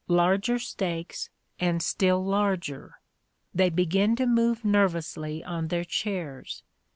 Larger stakes and still larger. They begin to move nervously on their chairs.